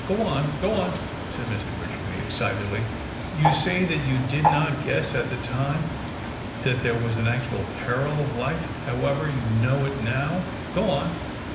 " Go on ! Go on !" said Mr. Wycherley, excitedly ;" you say that you did not guess at the time that there was an actual peril of life. However, you know it now. Go on